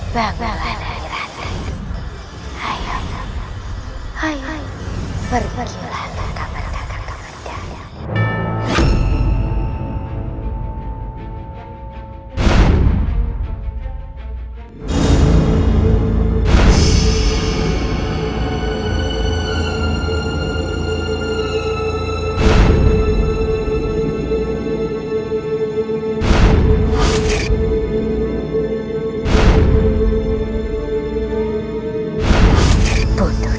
sebenarnya apa istimewa yang ada di rakyatmu